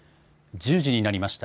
１０時になりました。